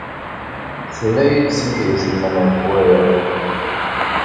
Tenna-iyi-d tmidit-nnem ɣef waya.